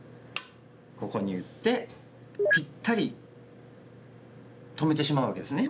ここに打ってピッタリ止めてしまうわけですね。